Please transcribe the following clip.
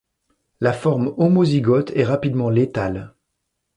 La forme homozygote est rapidement létale.